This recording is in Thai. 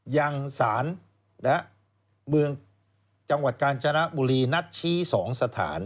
ยังสารเมืองจังหวัดกาญจนบุรีนัดชี้๒สถาน